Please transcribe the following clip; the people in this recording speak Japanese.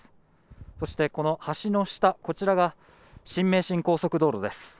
そしてこの橋の下、こちらが新名神高速道路です。